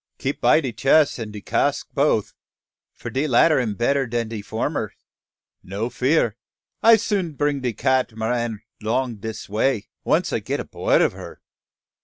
Keep by de chess and de cask boaf, for de latter am better dan de former. No fear, I soon bring de Cat'maran long dis way, once I get 'board o' her."